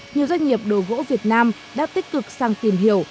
nhiều doanh nghiệp đồ gỗ việt nam đã tích cực sang tìm hiểu